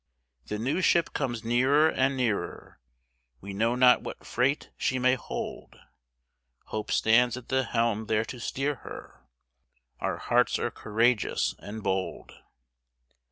The new ship comes nearer and nearer, We know not what freight she may hold; Hope stands at the helm there to steer her, Our hearts are courageous and bold.